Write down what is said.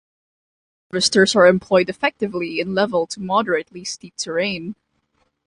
Harvesters are employed effectively in level to moderately steep terrain.